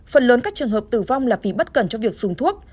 phần lớn các trường hợp tử vong là vì bất cần cho việc dùng thuốc